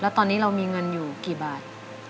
แล้วตอนนี้เรามีเงินอยู่กี่บาท